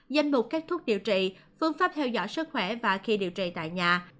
danh mục các thuốc điều trị phương pháp theo dõi sức khỏe và khi điều trị tại nhà